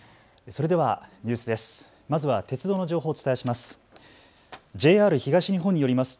それではニュースです。